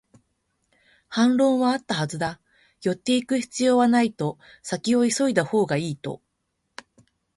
反論はあったはずだ、寄っていく必要はないと、先を急いだほうがいいと